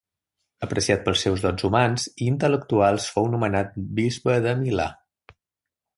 Apreciat pels seus dots humans i intel·lectuals, fou nomenat bisbe de Milà.